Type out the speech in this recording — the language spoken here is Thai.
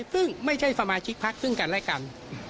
ซึ่งไม่ใช่สมาชิกพักซึ่งกันและกัน